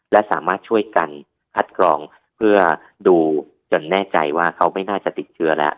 และสามารถช่วยกันคัดกรองเพื่อดูจนแน่ใจว่าเขาไม่น่าจะติดเชื้อแล้ว